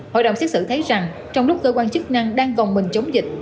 hội đồng xét xử thấy rằng trong lúc cơ quan chức năng đang gồng mình chống dịch